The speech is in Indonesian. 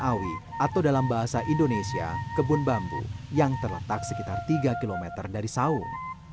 bambu bambu ini berasal dari kebun awi atau dalam bahasa indonesia kebun bambu yang terletak sekitar tiga km dari saung